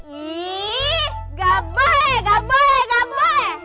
iiiih gak boleh gak boleh gak boleh